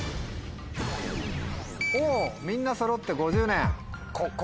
おみんなそろって５０年。